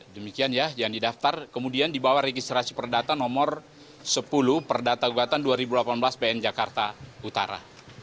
demikian ya yang didaftar kemudian dibawa registrasi perdata nomor sepuluh perdata gugatan dua ribu delapan belas pn jakarta utara